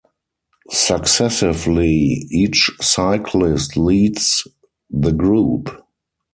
Successively, each cyclist leads the group.